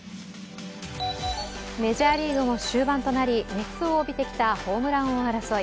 メジャーリーグも終盤となり、熱を帯びてきたホームラン王争い。